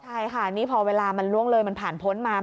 ใช่ค่ะนี่พอเวลามันล่วงเลยมันผ่านพ้นมา